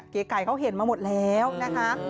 เก๋ไก่เขาเห็นมาหมดแล้วนะคะ